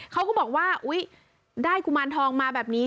เขาก็บอกว่าอุ๊ยได้กุมารทองมาแบบนี้